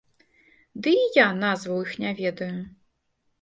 Ды я і назваў іх не ведаю.